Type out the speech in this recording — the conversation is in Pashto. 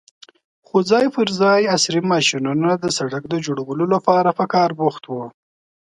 خو ځای پر ځای عصرې ماشينونه د سړک جوړولو لپاره په کار بوخت وو.